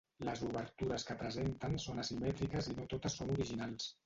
Les obertures que presenten són asimètriques i no totes són originals.